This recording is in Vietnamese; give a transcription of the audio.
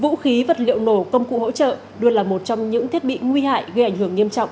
vũ khí vật liệu nổ công cụ hỗ trợ đưa là một trong những thiết bị nguy hại gây ảnh hưởng nghiêm trọng